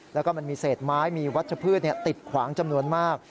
แล้วก็มันมีเศษไม้มีวัชพืชติดขวางจำนวนมาก